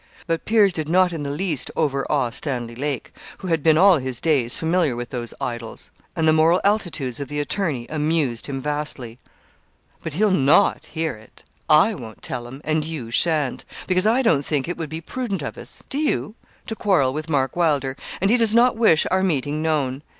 But peers did not in the least overawe Stanley Lake, who had been all his days familiar with those idols; and the moral altitudes of the attorney amused him vastly. 'But he'll not hear it; I won't tell him, and you sha'n't; because I don't think it would be prudent of us do you? to quarrel with Mark Wylder, and he does not wish our meeting known.